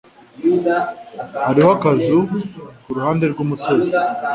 Hariho akazu kuruhande rwumusozi